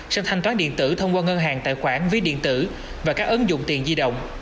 sẽ thanh toán điện tử thông qua ngân hàng tài khoản ví điện tử và các ứng dụng tiền di động